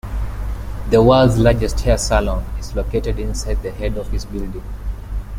The world's largest hair salon is located inside the head office building.